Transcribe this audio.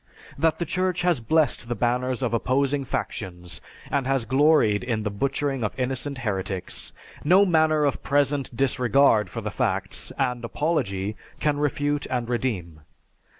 That the Church has blessed the banners of opposing factions, and has gloried in the butchering of innocent heretics, no manner of present disregard for the facts and apology can refute and redeem.